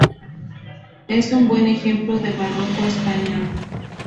Es un buen ejemplo del barroco español.